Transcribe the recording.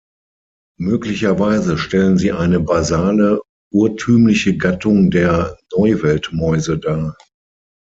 Möglicherweise stellen sie eine basale, urtümliche Gattung der Neuweltmäuse dar.